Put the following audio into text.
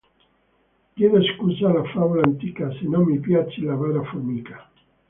Chiedo scusa alla favola antica se non mi piace l'avara formica